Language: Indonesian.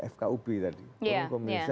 fkub tadi komunikasi